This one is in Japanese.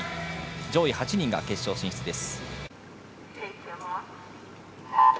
上位８人が決勝進出です。